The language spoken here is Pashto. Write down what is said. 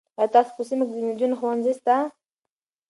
آیا ستاسو په سیمه کې د نجونو ښوونځی سته؟